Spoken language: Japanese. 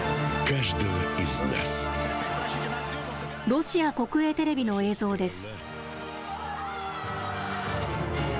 ロシア国営テレビの映像です。